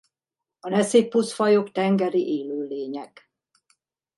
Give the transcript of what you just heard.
A Nesippus-fajok tengeri élőlények.